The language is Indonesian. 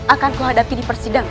akan kuhadapi di persidangan